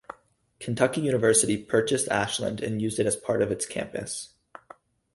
Kentucky University purchased Ashland and used it as part of its campus.